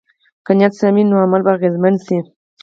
که نیت سم وي، نو عمل به اغېزمن شي.